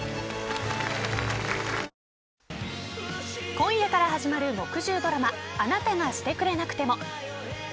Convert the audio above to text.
今夜から始まる木１０ドラマあなたがしてくれなくても。